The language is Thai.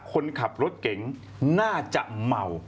คนขับรถเก๋งน่าจะเมา